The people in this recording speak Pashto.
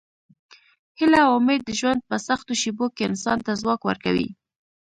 هیله او امید د ژوند په سختو شېبو کې انسان ته ځواک ورکوي.